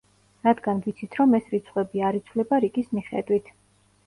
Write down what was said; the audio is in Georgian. რადგან ვიცით, რომ ეს რიცხვები არ იცვლება რიგის მიხედვით.